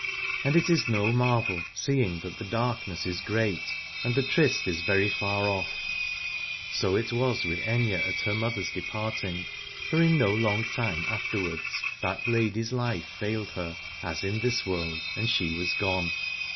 And it is no marve., seeing that the darkness is great and the Tryst is 67 Aladore very far off. So it was with Aithne at her mother's departing; for in no long time afterwards that lady's life failed her, as in this world, and she was gone.